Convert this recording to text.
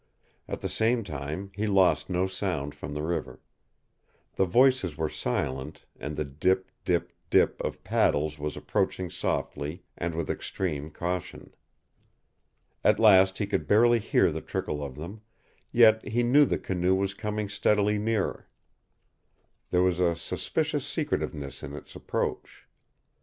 At the same time he lost no sound from the river. The voices were silent, and the dip, dip, dip of paddles was approaching softly and with extreme caution. At last he could barely hear the trickle of them, yet he knew the canoe was coming steadily nearer. There was a suspicious secretiveness in its approach.